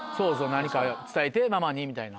「何か伝えてママに」みたいな。